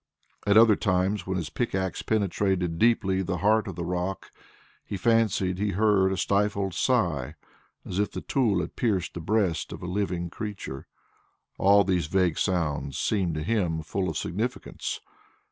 At other times, when his pickaxe penetrated deeply the heart of the rock, he fancied he heard a stifled sigh as if the tool had pierced the breast of a living creature. All these vague sounds seemed to him full of significance.